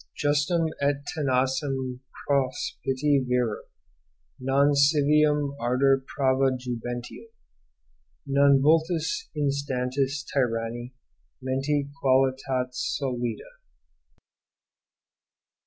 * Justum et tenacem propositi virum Non civium ardor prava jubentium Non vultus instantis tyranni Mente quatit solida.